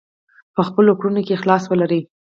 په خپلو کړنو کې اخلاص ولرئ.